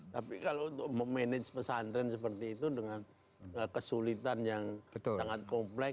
tapi kalau untuk memanage pesantren seperti itu dengan kesulitan yang sangat kompleks